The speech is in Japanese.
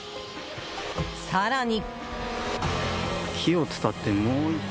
更に。